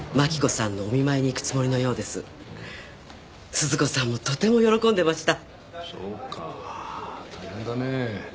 鈴子さんもとても喜んでましたそうか大変だね